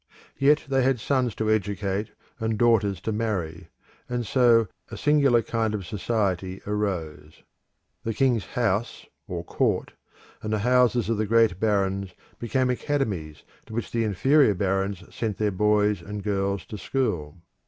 Yet they had sons to educate and daughters to marry; and so a singular kind of society arose. The king's house or court, and the houses of the great barons, became academies to which the inferior barons sent their boys and girls to school.